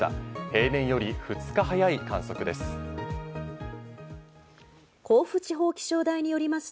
例年より２日早い観測です。